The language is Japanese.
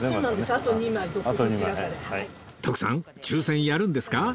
徳さん抽選やるんですか？